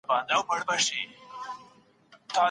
خاوند بايد د ناخوښۍ پر وخت بيړه ونکړي.